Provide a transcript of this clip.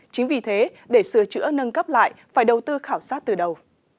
chính vì thế để sửa chữa nâng cấp lại phải đầu tư khảo sát từ đầu